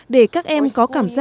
để các em có cảm giác tốt hơn